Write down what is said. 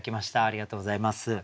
ありがとうございます。